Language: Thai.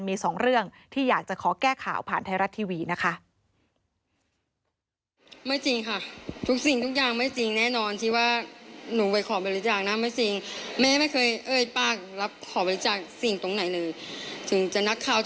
มีสองเรื่องที่อยากจะขอแก้ข่าว